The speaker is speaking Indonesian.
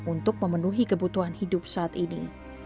untuk memenuhi kebutuhan hidup saat ini